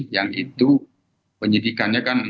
yang itu penyidikannya kan